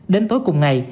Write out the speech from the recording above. đến tối cùng ngày